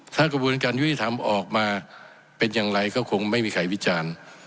ถ้ากระบวนการยุติธรรมออกมาเป็นอย่างไรก็คงไม่มีใครวิจารณ์